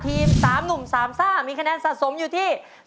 ทีม๓หนุ่ม๓ซ่ามีคะแนนสะสมอยู่ที่